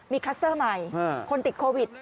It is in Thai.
มีคลัสเตอร์ใหม่คนติดโควิด